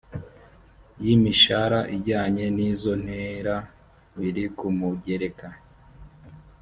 y imishara ijyanye n izo ntera biri ku mugereka